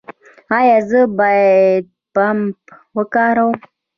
ایا زه باید پمپ وکاروم؟